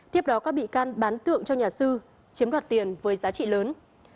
tiếp đó các bị can bán tượng cho nhà sư chiếm đoạt tiền với giá trị lớn